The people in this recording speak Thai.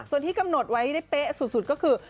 ส่วนที่กำหนดไว้ได้เป๊ะสุดก็คือ